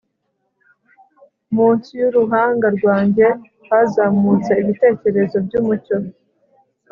Munsi yuruhanga rwanjye hazamutse ibitekerezo byumucyo